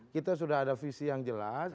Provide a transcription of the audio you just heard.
kita sudah ada visi yang jelas